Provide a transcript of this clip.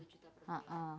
dua juta perbulan